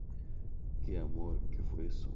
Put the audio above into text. ¿ Qué, amor? ¿ qué fue eso?